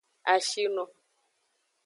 Ashino.